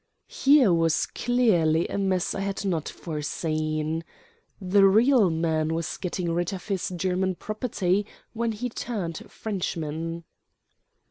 Here was clearly a mess I had not foreseen. The real man was getting rid of his German property when he turned Frenchman.